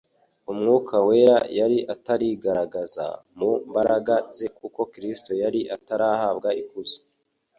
Umwuka wera yari atarigaragaza mu mbaraga ze kuko Kristo yari atarahabwa ikuzo.